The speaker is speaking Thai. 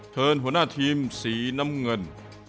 หัวหน้าทีมสีน้ำเงิน